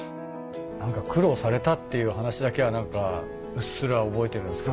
何か苦労されたっていう話だけはうっすら覚えてるんですけど。